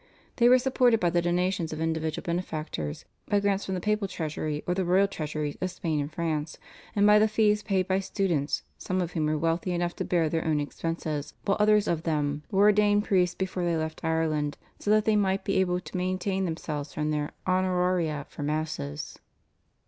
They were supported by the donations of individual benefactors, by grants from the papal treasury or the royal treasuries of Spain and France, and by the fees paid by students, some of whom were wealthy enough to bear their own expenses, while others of them were ordained priests before they left Ireland so that they might be able to maintain themselves from their /honoraria/ for Masses.